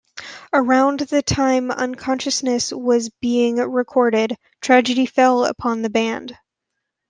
Around the time Unconsciousness was being recorded tragedy fell upon the band.